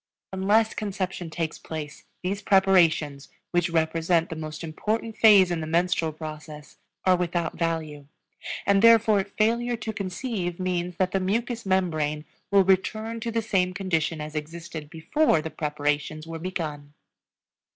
Unless conception takes place these preparations, which represent the most important phase in the menstrual process, are without value; and therefore failure to conceive means that the mucous membrane will return to the same condition as existed before the preparations were begun.